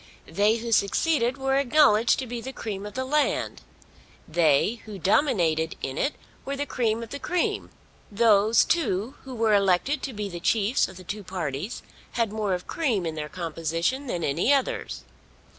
They who succeeded were acknowledged to be the cream of the land. They who dominated in it were the cream of the cream. Those two who were elected to be the chiefs of the two parties had more of cream in their composition than any others.